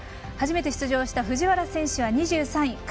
初めて出場した藤原選手は２３位。